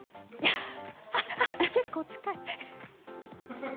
結構近い。